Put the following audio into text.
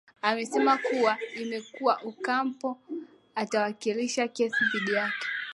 amesema kuwa iwapo ocampo atawakilisha kesi dhidi yake